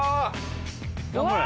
頑張れ。